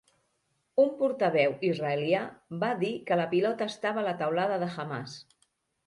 Un portaveu israelià va dir que la 'pilota estava a la teulada de Hamàs'.